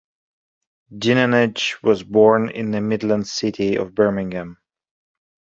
Dinenage was born in the Midlands city of Birmingham.